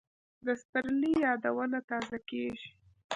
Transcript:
د سپرلي یادونه تازه کېږي